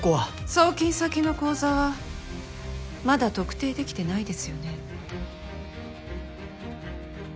送金先の口座はまだ特定できてないですよね？